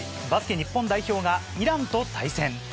日本代表がイランと対戦。